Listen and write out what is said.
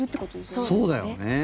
そうだよね。